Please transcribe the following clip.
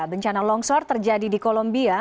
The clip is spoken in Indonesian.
bencana longsor terjadi di kolombia